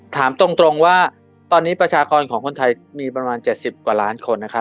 ถามตรงว่าตอนนี้ประชากรของคนไทยมีประมาณ๗๐กว่าล้านคนนะครับ